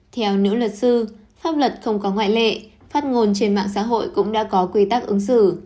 theo nữ luật sư pháp luật không có ngoại lệ phát ngôn trên mạng xã hội cũng đã có quy tắc ứng xử